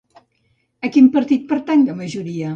A quin partit pertany la majoria?